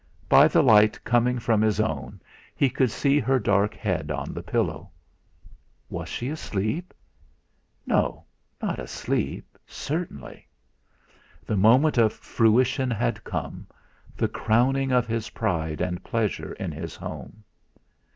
By the light coming from his own he could see her dark head on the pillow. Was she asleep? No not asleep, certainly. The moment of fruition had come; the crowning of his pride and pleasure in his home.